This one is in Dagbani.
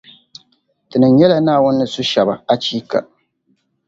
Tinim’ nyɛla Naawuni ni su shɛba, achiika!